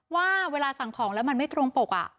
ว่าเวลาสั่งของแล้วมันไม่ตรงปก